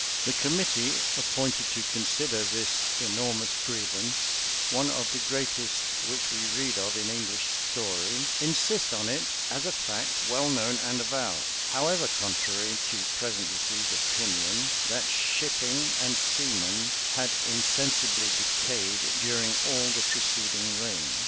The committee appointed to consider this enormous grievance, one of the greatest which we read of in English story, insist on it as a fact well known and avowed, however contrary to present received opinion, that shipping and seamen had insensibly decayed during all the preceding reign.